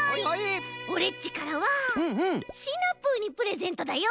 オレっちからはシナプーにプレゼントだよ。